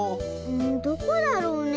どこだろうね？